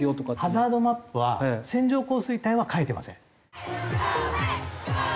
ハザードマップは線状降水帯は書いてません。